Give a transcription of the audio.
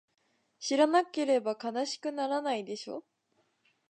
知らなければ悲しくはならないでしょ？